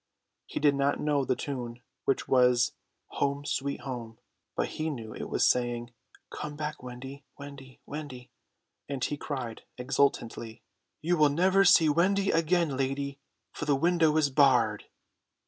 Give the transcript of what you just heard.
He did not know the tune, which was "Home, Sweet Home," but he knew it was saying, "Come back, Wendy, Wendy, Wendy"; and he cried exultantly, "You will never see Wendy again, lady, for the window is barred!"